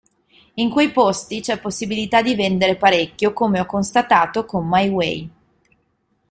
In quei posti c'è possibilità di vendere parecchio come ho constatato con "My Way".